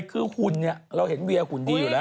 คือหุ่นเนี่ยเราเห็นเวียหุ่นดีอยู่แล้ว